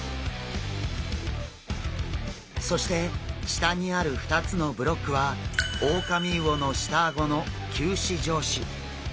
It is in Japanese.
そして下にある２つのブロックはオオカミウオの下顎の臼歯状歯。